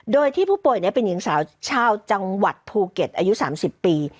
โดยที่ผู้ป่วยเป็นหญิงสาวชาวจังหวัดภูเก็ตอายุ๓๐ปี